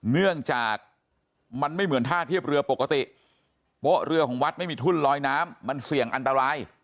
เนื่องจากมันไม่เหมือนท่าเทียบเรือปกติโป๊ะเรือของวัดไม่มีทุ่นลอยน้ำมันเสี่ยงอันตราย